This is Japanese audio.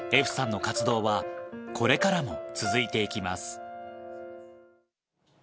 歩さんの活動は、これからも続いていきます。